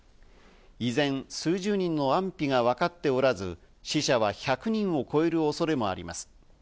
依然数十人の安否が分かっておらず、死者は１００人を超える恐れもあります。